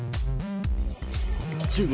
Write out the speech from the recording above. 中国